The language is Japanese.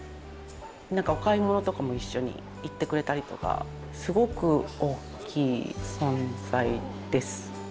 何かお買い物とかも一緒に行ってくれたりとかすごく大きい存在です。